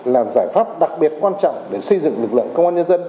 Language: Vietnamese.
làm giải pháp đặc biệt quan trọng để xây dựng lực lượng công an nhân dân